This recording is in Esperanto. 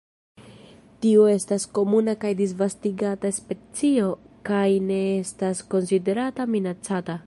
Tiu estas komuna kaj disvastigata specio, kaj ne estas konsiderata minacata.